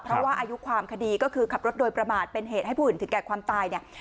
เพราะว่าอายุความคดีก็คือขับรถโดยประมาทเป็นเหตุให้ผู้อื่นถึงแก่ความตายเนี่ย